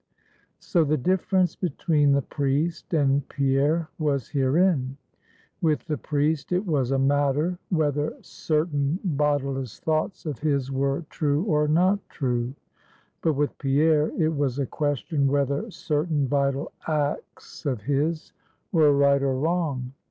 So the difference between the Priest and Pierre was herein: with the priest it was a matter, whether certain bodiless thoughts of his were true or not true; but with Pierre it was a question whether certain vital acts of his were right or wrong.